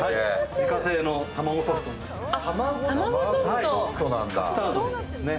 自家製のたまごソフトになってます。